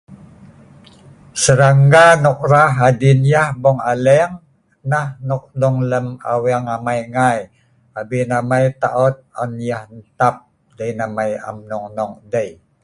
Serangga nok rah. Adin yah bong aleng.abin amai taot on yah entah.dei nah amai am nong nong hdei.